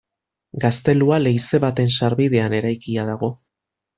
Gaztelua leize baten sarbidean eraikia dago.